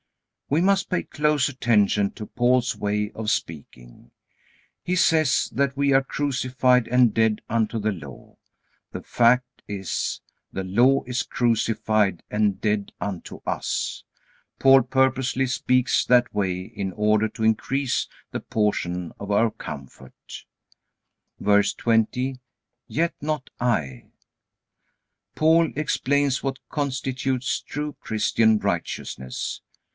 We must pay close attention to Paul's way of speaking. He says that we are crucified and dead unto the Law. The fact is, the Law is crucified and dead unto us. Paul purposely speaks that way in order to increase the portion of our comfort. VERSE 20. Yet not I. Paul explains what constitutes true Christian righteousness.